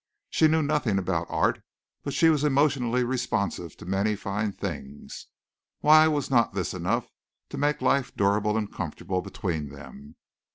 She knew nothing about art, but she was emotionally responsive to many fine things. Why was not this enough to make life durable and comfortable between them?